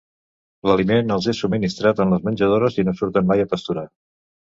L'aliment els és subministrat en les menjadores i no surten mai a pasturar.